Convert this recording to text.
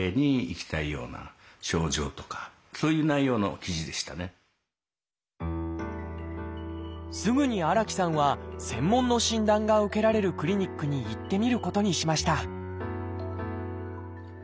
私が悩んでるすぐに荒木さんは専門の診断が受けられるクリニックに行ってみることにしました